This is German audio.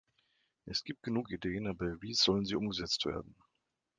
Es gibt genug Ideen, aber wie sollen sie umgesetzt werden.